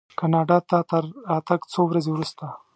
کاناډا ته تر راتګ څو ورځې وروسته.